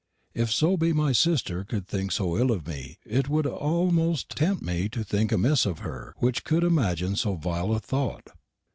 If so be my sister cou'd think so ill of me it wou'd amost temt me to think amiss of her, wich cou'd imagen so vile a thort.